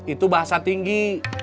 itu bahasa tinggi